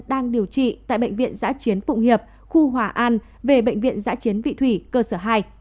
đang điều trị tại bệnh viện giã chiến phụng hiệp khu hòa an về bệnh viện giã chiến vị thủy cơ sở hai